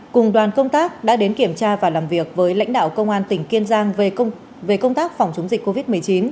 cùng đoàn công tác đã đến kiểm tra và làm việc với lãnh đạo công an tỉnh kiên giang về công tác phòng chống dịch covid một mươi chín